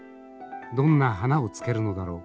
どんな花をつけるのだろう？